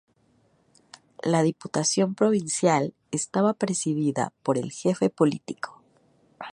La Diputación Provincial estaba presidida por el Jefe Político.